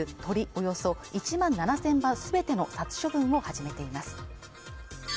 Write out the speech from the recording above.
およそ１万７０００羽すべての殺処分を始めています